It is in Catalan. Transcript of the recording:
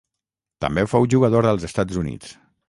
També fou jugador als Estats Units.